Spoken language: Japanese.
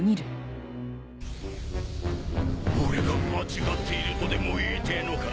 俺が間違っているとでも言いてえのか？